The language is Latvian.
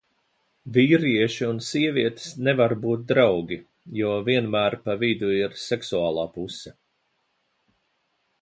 Vīrieši un sievietes nevar būt draugi, jo vienmēr pa vidu ir seksuālā puse.